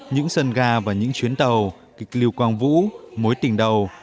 những sân ga và những chuyến tàu kịch lưu quang vũ mối tình đầu